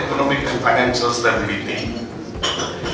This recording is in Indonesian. ekonomi dan penyelenggaraan ekonomi